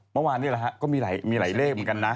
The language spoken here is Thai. เมื่อวานนี้แหละฮะก็มีหลายเลขเหมือนกันนะ